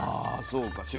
あそうか。